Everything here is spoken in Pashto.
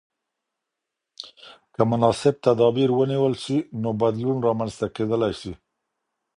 که مناسب تدابیر ونیول سي، نو بدلون رامنځته کېدلای سي.